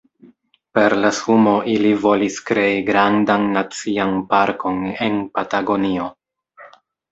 Per la sumo ili volis krei grandan nacian parkon en Patagonio.